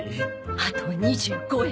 あと２５円。